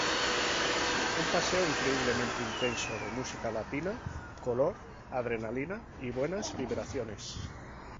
Un paseo increíblemente intenso de música latina, color, adrenalina y buenas vibraciones!